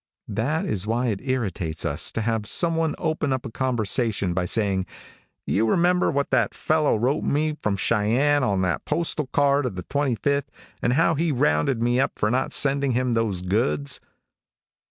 That is why it irritates us to have some one open up a conversation by saying, "You remember what that fellow wrote me from Cheyenne on that postal card of the 25th, and how he rounded me up for not sending him those goods?"